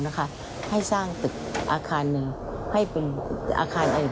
ในหลวงทั้งสองพระองค์ทั้งสองพระองค์